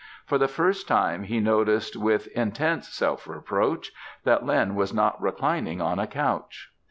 For the first time he noticed, with intense self reproach, that Lin was not reclining on a couch.